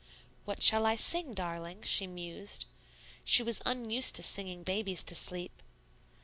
"What shall I sing, darling?" she mused: she was unused to singing babies to sleep.